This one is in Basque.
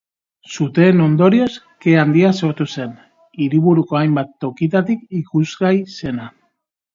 Suteen ondorioz, ke handia sortu zen, hiriburuko hainbat tokitatik ikusgai zena.